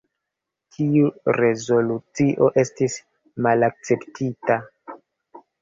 Tiu rezolucio estis malakceptita.